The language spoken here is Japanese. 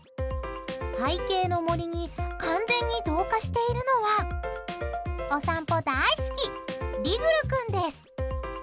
背景の森に完全に同化しているのはお散歩大好き、リグル君です。